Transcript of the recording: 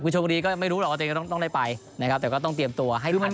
คือชมบุรีก็ไม่รู้หรอกว่าตัวเองจะต้องได้ไปนะครับแต่ก็ต้องเตรียมตัวให้ลูกมั่น